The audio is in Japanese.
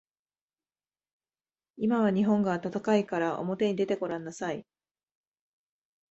今は日本が暖かいからおもてに出てごらんなさい。